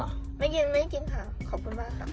ไม่กินขอบคุณมากครับ